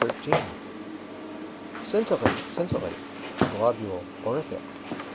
THE LITTLE STAR Scintillate, scintillate, globule orific.